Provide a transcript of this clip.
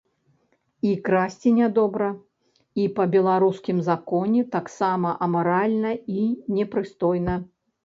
І красці не добра, і па беларускім законе таксама амаральна і непрыстойна.